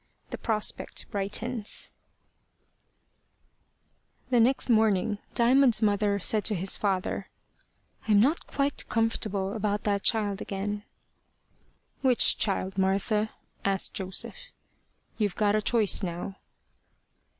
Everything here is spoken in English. THE PROSPECT BRIGHTENS THE next morning, Diamond's mother said to his father, "I'm not quite comfortable about that child again." "Which child, Martha?" asked Joseph. "You've got a choice now."